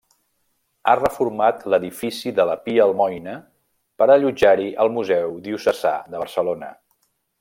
Ha reformat l'edifici de la Pia Almoina per allotjar-hi el Museu Diocesà de Barcelona.